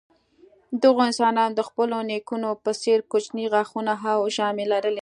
دغو انسانانو د خپلو نیکونو په څېر کوچني غاښونه او ژامې لرلې.